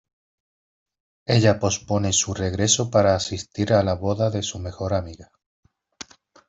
Ella pospone su regreso para asistir a la boda de su mejor amiga.